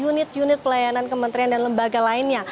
unit unit pelayanan kementerian dan lembaga lainnya